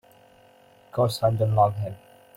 Because I don't love him.